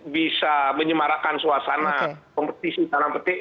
bisa menyemarakkan suasana kompetisi tanam petik